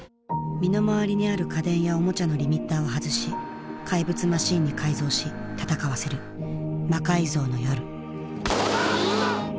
身の回りにある家電やおもちゃのリミッターを外し怪物マシンに改造し戦わせる「魔改造の夜」。